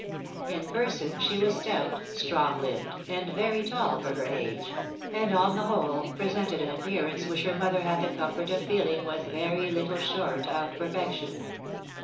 In person she was stout, strong hmbed, and very tall for her age, and on the whole, presented an appearance which her mother had the comfort of feeling was very httle short of perfection.